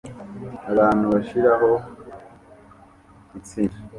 Abantu bashiraho itsinda